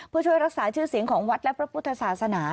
เพื่อช่วยรักษาชื่อเสียงของวัดและพระพุทธศาสนา